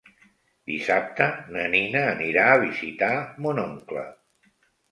Dissabte na Nina anirà a visitar mon oncle.